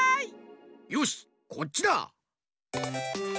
よしこっちだ！